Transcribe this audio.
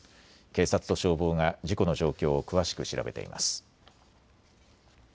警察と消防が事故の状況を詳しく調べています。